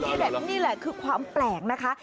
นี่แหละนี่แหละคือความแปลกนะคะ